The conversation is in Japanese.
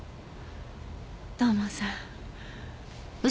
土門さん。